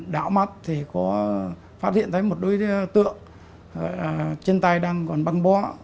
đạo mắt thì có phát hiện thấy một đối tượng trên tay đang còn băng bó